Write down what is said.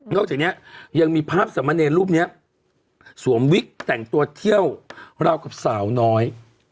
จากนี้ยังมีภาพสมเนรรูปนี้สวมวิกแต่งตัวเที่ยวราวกับสาวน้อย